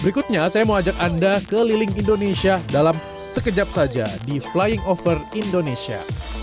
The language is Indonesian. berikutnya saya mau ajak anda ke liling indonesia dalam sekejap saja di flying over indonesia